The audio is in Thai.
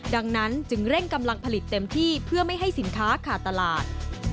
ดังนั้นจึงเร่งกำลังผลิตเต็มที่เพื่อไม่ให้สินค้าขาดตลาด